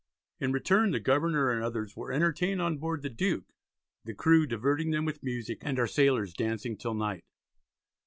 In return the governor and others were entertained on board the Duke, the crew "diverting them with musick, and our sailors dancing till night."